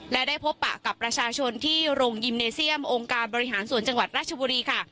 และได้พบปะกับประชาชนที่โรงยิมเนเซียมองค์การบริหารส่วนจังหวัดราชบุรีค่ะ